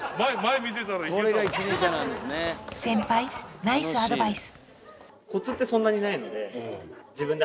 先輩ナイスアドバイス！